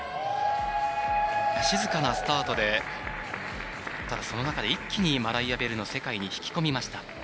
静かなスタートでその中で一気にマライア・ベルの世界に引き込みました。